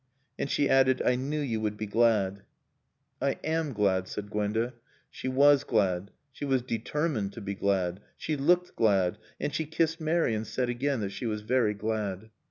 And she added, "I knew you would be glad." "I am glad," said Gwenda. She was glad. She was determined to be glad. She looked glad. And she kissed Mary and said again that she was very glad.